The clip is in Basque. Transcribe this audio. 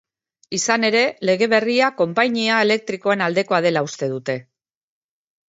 Izan ere, lege berria konpainia elektrikoen aldekoa dela uste dute.